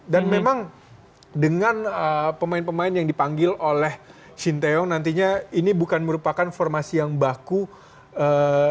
dan memang dengan pemain pemain yang dipanggil oleh shin taeyong nantinya ini bukan merupakan formasi yang buruk